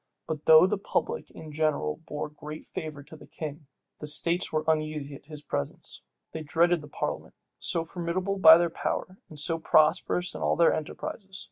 But though the public in general bore great favor to the king, the states were uneasy at his presence. They dreaded the parliament, so formidable by their power, and so prosperous in all their enterprises.